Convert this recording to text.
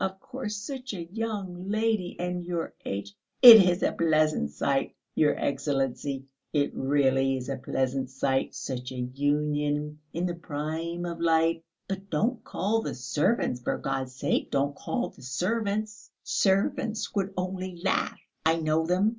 Of course such a young lady ... and your age ... it is a pleasant sight, your Excellency, it really is a pleasant sight such a union ... in the prime of life.... But don't call the servants, for God's sake, don't call the servants ... servants would only laugh.... I know them